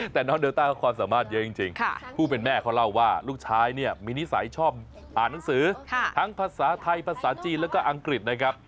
แต่น้องเดลต้าเขาความสามารถเยอะจริงผู้เป็นแม่เขาเล่าว่าลูกชายเนี่ยมีนิสัยชอบอ่านหนังสือทั้งภาษาไทยภาษาจีนแล้วก็อังกฤษนะครับ